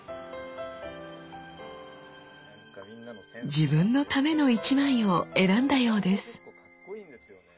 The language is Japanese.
自分のための一枚を選んだようです。